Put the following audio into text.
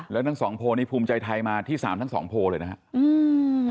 แล้วทั้งสองโพลนี้ภูมิใจไทยมาที่สามทั้งสองโพลเลยนะครับ